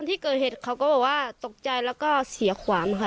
ที่เกิดเหตุเขาก็บอกว่าตกใจแล้วก็เสียขวานค่ะ